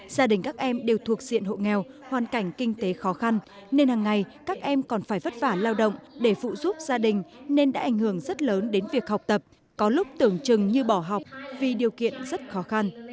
gia đình các em đều thuộc diện hộ nghèo hoàn cảnh kinh tế khó khăn nên hàng ngày các em còn phải vất vả lao động để phụ giúp gia đình nên đã ảnh hưởng rất lớn đến việc học tập có lúc tưởng chừng như bỏ học vì điều kiện rất khó khăn